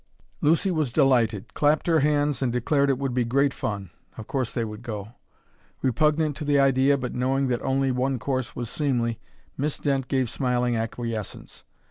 Lucy was delighted, clapped her hands, and declared it would be great fun of course they would go. Repugnant to the idea but knowing that only one course was seemly, Miss Dent gave smiling acquiescence.